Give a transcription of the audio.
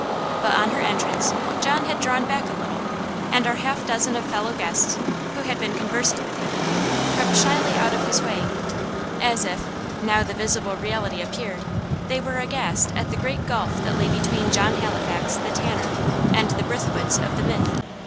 But on her entrance John had drawn back a little, and our half dozen of fellow guests, who had been conversing with him, crept shyly out of his way; as if, now the visible reality appeared, they were aghast at the great gulf that lay between John Halifax the tanner and the Brithwoods of the Mythe.